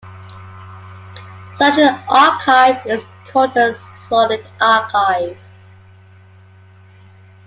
Such an archive is called a solid archive.